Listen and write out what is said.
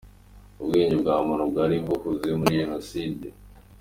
Ubwenge bwa muntu bwari buhuze muri Jenoside?.